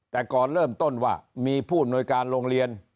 แต่ก่อนเริ่มต้นว่ามีผู้อำนวยการโรงเรียน